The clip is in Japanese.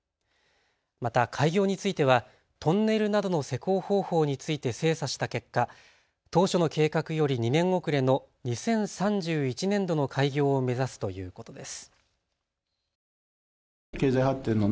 また開業についてはトンネルなどの施工方法について精査した結果、当初の計画より２年遅れの２０３１年度の開業を目指すということです。